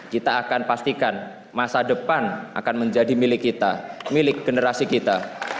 kita akan pastikan masa depan akan menjadi milik kita milik generasi kita